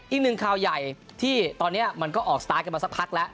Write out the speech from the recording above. อีกหนึ่งข่าวใหญ่ที่ตอนนี้มันก็ออกสตาร์ทกันมาสักพักแล้ว